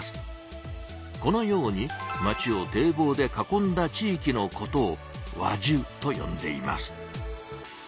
このように町を堤防で囲んだ地いきのことを「輪中」とよんでいます。